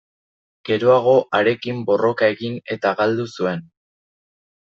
Geroago, harekin borroka egin eta galdu zuen.